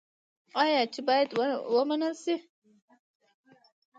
آیا چې باید ومنل شي؟